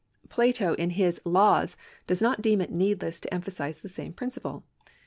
2 Plato in his Laivs does not deem it needless to emphasise the same principle.